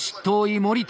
森田